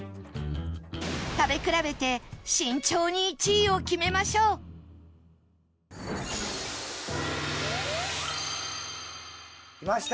食べ比べて慎重に１位を決めましょうきました！